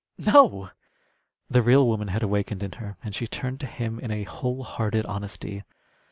no!" The real woman had awakened in her, and she turned to him in a whole hearted honesty.